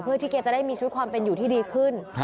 เพื่อที่แกจะได้มีชีวิตความเป็นอยู่ที่ดีขึ้น